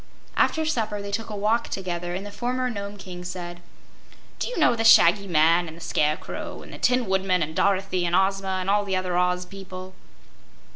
After supper they took a walk together, and the former Nome King said: "Do you know the Shaggy Man, and the Scarecrow, and the Tin Woodman, and Dorothy, and Ozma and all the other Oz people?"